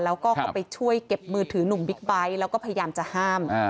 แล้วก็เข้าไปช่วยเก็บมือถือหนุ่มบิ๊กไบท์แล้วก็พยายามจะห้าม